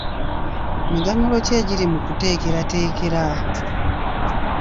Miganyulo ki egiri mu kuteekerateekera?